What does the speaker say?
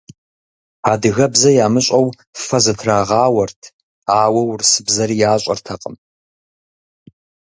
Адыгэбзэ ямыщӏэу фэ зытрагъауэрт, ауэ урысыбзэри ящӏэртэкъым.